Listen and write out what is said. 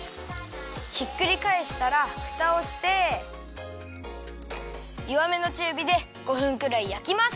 ひっくりかえしたらふたをしてよわめのちゅうびで５分くらいやきます。